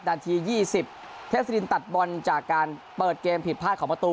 นาที๒๐เทพศดินตัดบอลจากการเปิดเกมผิดพลาดของประตู